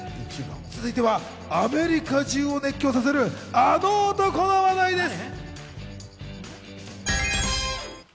続いては、アメリカ中を熱狂させるあの男の話題です。